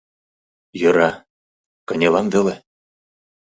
— Йӧра, кынелам веле.